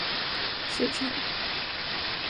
时常发生小摩擦